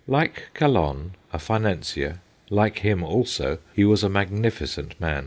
Like Calonne, a financier, like him also he was a magnificent man.